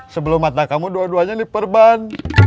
sebelum mata kamu dua duanya diperban